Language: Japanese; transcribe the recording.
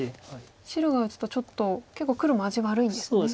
白がちょっと結構黒も味悪いんですね。